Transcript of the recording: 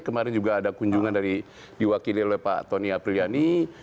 kemarin juga ada kunjungan dari diwakili oleh pak tony apriliani